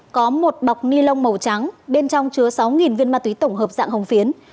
có một bọc ni lông màu trắng bên trong chứa sáu viên ma túy tổng hợp dạng hồng phiến